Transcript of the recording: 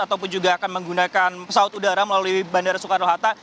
ataupun juga akan menggunakan pesawat udara melalui bandara soekarno hatta